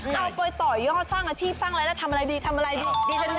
เอาไปต่อยอดสร้างอาชีพสร้างอะไรแล้วทำอะไรดีทำอะไรดี